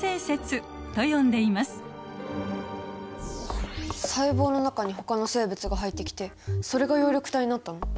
これを細胞の中にほかの生物が入ってきてそれが葉緑体になったの？